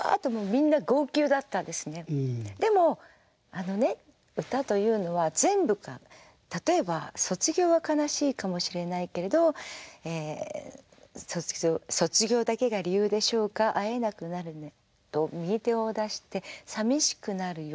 「あのね歌というのは全部か例えば卒業は悲しいかもしれないけれど『卒業だけが理由でしょうか会えなくなるねと右手を出してさみしくなるよ